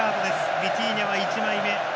ビティーニャは１枚目。